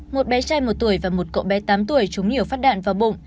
một bé trai một tuổi và một cậu bé tám tuổi trúng nhiều phát đạn vào bụng